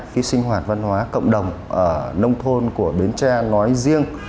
khi sinh hoạt văn hóa cộng đồng ở nông thôn của bến tre nói riêng